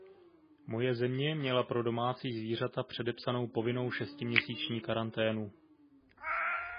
Moje země měla pro domácí zvířata předepsanou povinnou šestiměsíční karanténu.